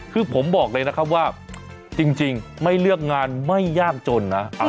คือผมบอกเลยนะครับว่าจริงไม่เลือกงานไม่ยากจนนะ